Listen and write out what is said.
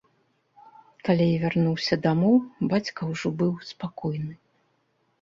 Калі я вярнуўся дамоў, бацька ўжо быў спакойны.